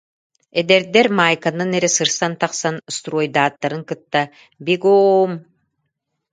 «Эдэрдэр» маайканан эрэ сырсан тахсан стройдааттарын кытта «Бего-оом